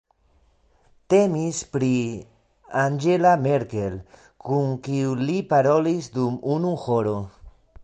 Temis pri Angela Merkel, kun kiu li parolis dum unu horo.